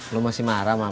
lu masih marah sama abang